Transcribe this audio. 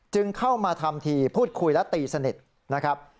จึงเข้ามาทำทีพูดคุยและตีสนิทนะครับ